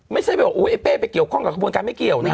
ไม่ใช่ไปบอกไอ้เป้ไปเกี่ยวข้องกับกระบวนการไม่เกี่ยวนะฮะ